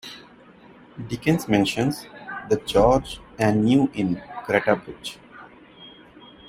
Dickens mentions the "George and New Inn, Greta Bridge".